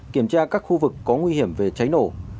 kiểm tra các khu vực có nguy hiểm về cháy nổ